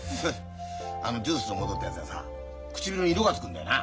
あのジュースのもとってやつはさ唇に色がつくんだよな。